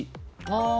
ああ！